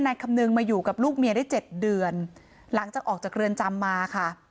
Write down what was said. คำนึงมาอยู่กับลูกเมียได้เจ็ดเดือนหลังจากออกจากเรือนจำมาค่ะ